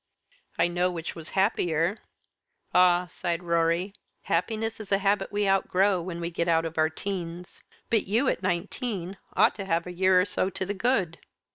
"I know which was the happier." "Ah," sighed Rorie, "happiness is a habit we outgrow when we get out of our teens. But you, at nineteen, ought to have a year or so to the good."